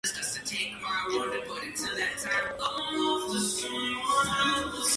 It is not closely related to other languages.